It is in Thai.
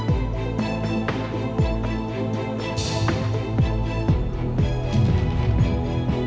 ปล่อยมือเลือกแค่